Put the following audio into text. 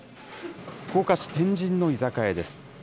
福岡市天神の居酒屋です。